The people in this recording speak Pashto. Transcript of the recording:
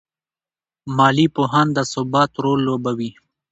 مالي پوهان د ثبات رول لوبوي.